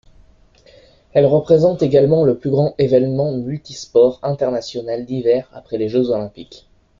Elle représente également le plus grand événement multi-sports international d'hiver après les Jeux Olympiques.